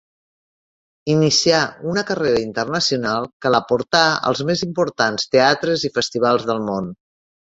Inicià una carrera internacional que la portà als més importants teatres i festivals del món.